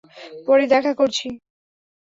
পরে দেখা করছি।